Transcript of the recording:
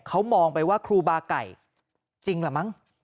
เขามองไปว่าครูบาไก่จริงเหรอมั้ง